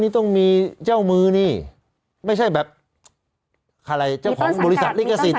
ต้องมีเจ้ามือนี่ไม่ใช่แบบอะไรจ้องบริษัทเป็นกาสิทธิ์